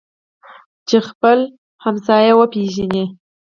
چې خپل ګاونډی وپیژني.